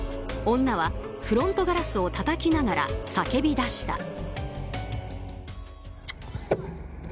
女はフロントガラスをたたきながら叫び出した。